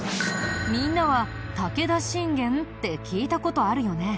みんなは武田信玄って聞いた事あるよね。